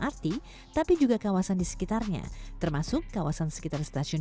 konsep ini tak hanya menyiapkan infrastruktur stasiun